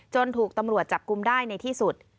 ถูกตำรวจจับกลุ่มได้ในที่สุด